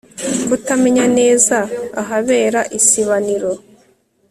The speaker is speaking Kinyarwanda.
kutamenya neza ahabera isibaniro